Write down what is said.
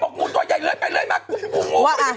กูคงอยู่แม่งเป้าหมาย